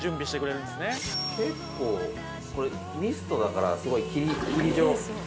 結構これミストだからすごい霧状。